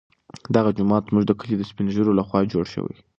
دغه جومات زموږ د کلي د سپین ږیرو لخوا جوړ شوی.